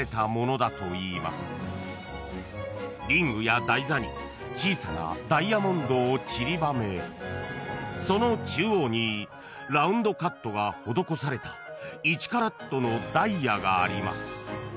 ［リングや台座に小さなダイヤモンドをちりばめその中央にラウンドカットが施された１カラットのダイヤがあります］